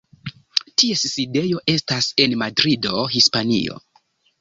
Ties sidejo estas en Madrido, Hispanio.